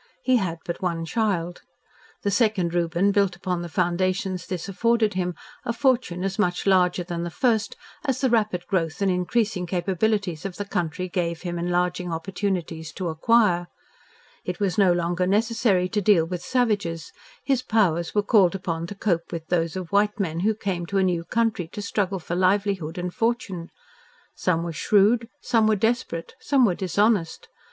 He had but one child. The second Reuben built upon the foundations this afforded him, a fortune as much larger than the first as the rapid growth and increasing capabilities of the country gave him enlarging opportunities to acquire. It was no longer necessary to deal with savages: his powers were called upon to cope with those of white men who came to a new country to struggle for livelihood and fortune. Some were shrewd, some were desperate, some were dishonest.